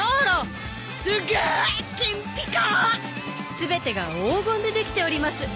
全てが黄金でできております！